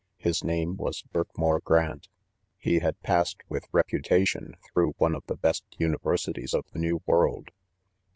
His name was Birkmoor Grant. He had passed with reputation, through one of the. best Universities of the New World